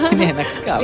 ini enak sekali